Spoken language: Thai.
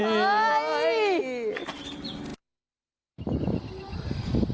เฮ้ย